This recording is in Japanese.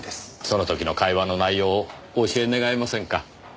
その時の会話の内容をお教え願えませんか？